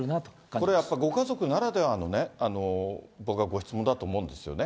これ、やっぱりご家族ならではの、僕はご質問だと思うんですよね。